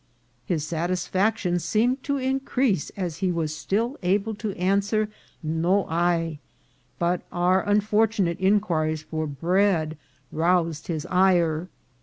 His satisfaction seemed to in crease as he was still able to answer " no hay ;" but our unfortunate inquiries for bread roused his ire.